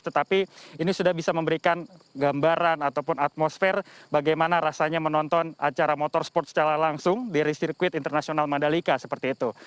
tetapi ini sudah bisa memberikan gambaran ataupun atmosfer bagaimana rasanya menonton acara motorsport secara langsung dari sirkuit internasional mandalika seperti itu